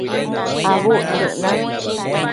Abudtsëc na